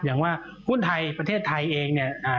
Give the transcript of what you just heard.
อย่างว่าหุ้นไทยประเทศไทยเองเนี่ย